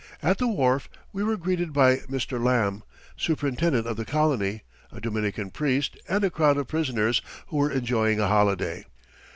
At the wharf we were greeted by Mr. Lamb, superintendent of the colony, a Dominican priest, and a crowd of prisoners who were enjoying a holiday.